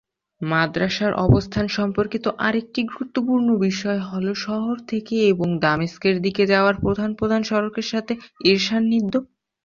মাদ্রাসার অবস্থান সম্পর্কিত আরেকটি গুরুত্বপূর্ণ বিষয় হ'ল শহর থেকে এবং দামেস্কের দিকে যাওয়ার প্রধান প্রধান সড়কের সাথে এর সান্নিধ্য।